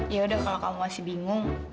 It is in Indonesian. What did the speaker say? ya udah kalau kamu masih bingung